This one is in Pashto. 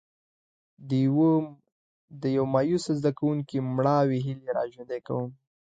د یو مایوسه زده کوونکي مړاوې هیلې را ژوندي کوم.